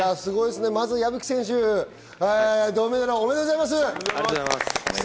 まずは銅メダル、おめでとうございます。